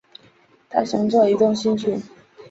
大熊座移动星群